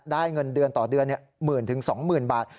เงินเดือนต่อเดือน๑๐๐๐๒๐๐๐บาท